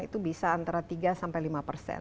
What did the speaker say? itu bisa antara tiga sampai lima persen